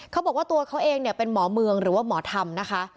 เขาบอกว่าตัวเขาเองเนี่ยเป็นหมอเมืองหรือว่าหมอธรรมนะคะ